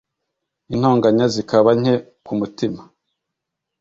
Intonganya zikaba nke ku mutima,